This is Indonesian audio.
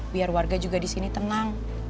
biar warga juga di sini tenang